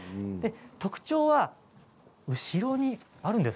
特徴は後ろにあるんです。